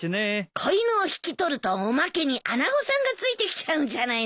子犬を引き取るとおまけに穴子さんがついてきちゃうんじゃないの？